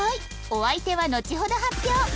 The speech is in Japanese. お相手はのちほど発表！